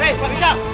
eh pak wicak